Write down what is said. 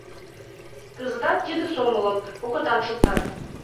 Кызытат тиде сомылым окотан шуктат.